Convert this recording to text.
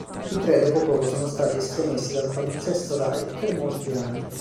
I tre dopo poco sono stati estromessi dal palinsesto Rai, per molti anni.